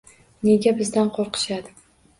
Nega bizdan qo‘rqishadi?